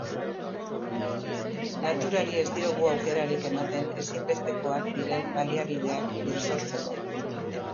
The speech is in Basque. Naturari ez diogu aukerarik ematen ezinbestekoak diren baliabideak birsortzeko.